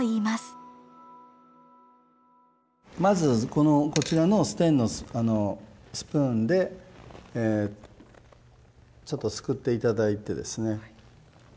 まずこのこちらのステンのスプーンでちょっとすくって頂いてですねで